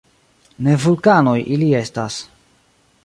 Ne vulkanoj ili estas.